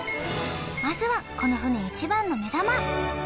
まずはこの船一番の目玉